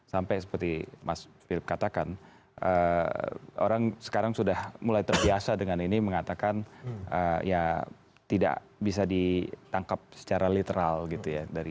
sampai seperti mas philip katakan orang sekarang sudah mulai terbiasa dengan ini mengatakan ya tidak bisa ditangkap secara literal gitu ya